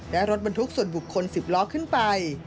และรถบรรทุกส่วนบุคคล๑๐ล้อขึ้นไป